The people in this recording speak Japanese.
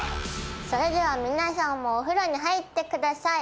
それでは皆さんもお風呂に入ってください。